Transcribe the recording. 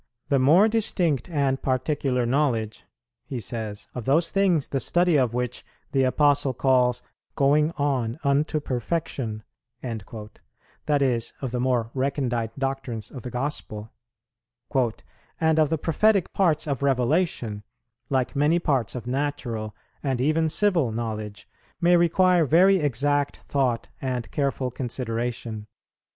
"The more distinct and particular knowledge," he says, "of those things, the study of which the Apostle calls 'going on unto perfection,'" that is, of the more recondite doctrines of the Gospel, "and of the prophetic parts of revelation, like many parts of natural and even civil knowledge, may require very exact thought and careful consideration.